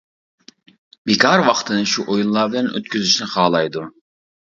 بىكار ۋاقتىنى شۇ ئويۇنلار بىلەن ئۆتكۈزۈشنى خالايدۇ.